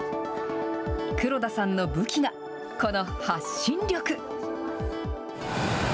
黒田さんの武器が、この発信力。